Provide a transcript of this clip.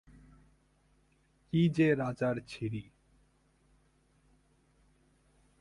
কী যে রাজার ছিরি!